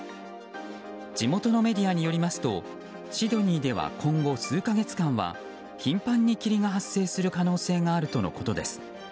地元のメディアによりますとシドニーでは今後数か月間は頻繁に霧が発生する可能性があるとのことです。